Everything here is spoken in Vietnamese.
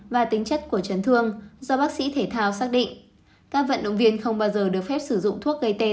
và tính chất của chấn thương do bác sĩ thể thao xác định